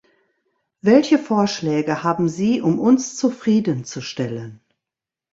Welche Vorschläge haben Sie, um uns zufriedenzustellen?